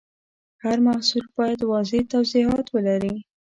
هر محصول باید واضح توضیحات ولري.